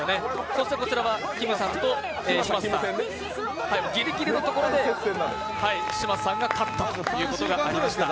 そしてこちらはきむさんと嶋佐さん、ギリギリのところで嶋佐さんが勝ったということがありました。